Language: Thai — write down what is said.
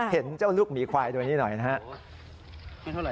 เห็นเจ้าลูกหมีควายตัวนี้หน่อยนะครับ